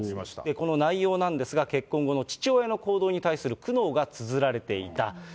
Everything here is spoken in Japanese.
この内容なんですが、結婚後の父親の行動に対する苦悩がつづられていた。